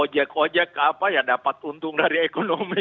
ojek ojek dapat untung dari ekonomi